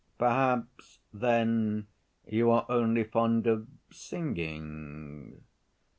"Perhaps, then, you are only fond of singing?"